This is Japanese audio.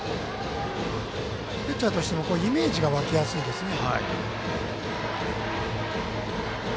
ピッチャーとしてもイメージが湧きやすいですね。